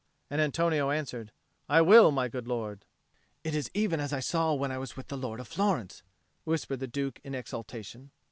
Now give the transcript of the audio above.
And Antonio answered, "I will, my good lord." "It is even as I saw when I was with the Lord of Florence," whispered the Duke in exultation.